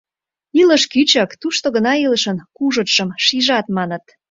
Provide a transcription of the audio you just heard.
— Илыш кӱчык, тушто гына илышын кужытшым шижат, маныт.